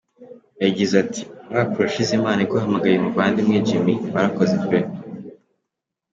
Yagize ati “Umwaka urashize Imana iguhamagaye muvandimwe Jimmy warakoze pe.